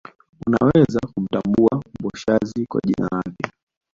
Unaweza kumtambua Mboshazi kwa jina lake